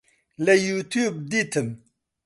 لە یوتیوب دیتم